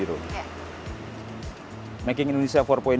dan mengenai industri makanan makanan makanan empat